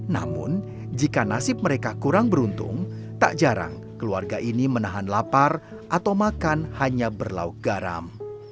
namun jika nasib mereka kurang beruntung tak jarang keluarga ini menahan lapar atau makan hanya berlau garam